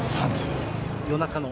夜中の？